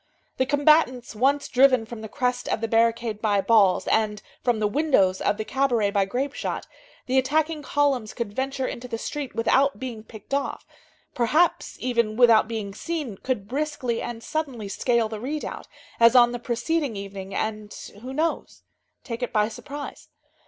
The combatants once driven from the crest of the barricade by balls, and from the windows of the cabaret by grape shot, the attacking columns could venture into the street without being picked off, perhaps, even, without being seen, could briskly and suddenly scale the redoubt, as on the preceding evening, and, who knows? take it by surprise.